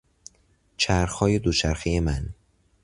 چرخهای دوچرخهی من